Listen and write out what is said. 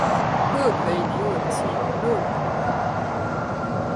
Hõõgveini joodi siin ka nõukogude ajal.